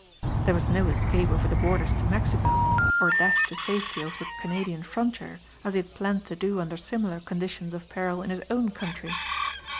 There was no escape over the borders to Mexico or dash to safety over the Canadian frontier as he had planned to do under similar conditions of peril in his own country.